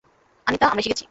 আনিতা, আমরা এসে গেছি।